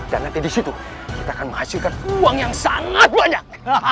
dan nanti di situ kita akan menghasilkan uang yang sangat banyak